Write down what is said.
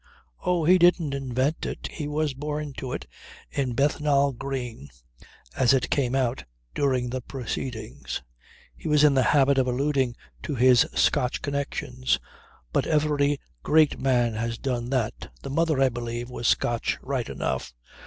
"Oh, he didn't invent it. He was born to it, in Bethnal Green, as it came out during the proceedings. He was in the habit of alluding to his Scotch connections. But every great man has done that. The mother, I believe, was Scotch, right enough.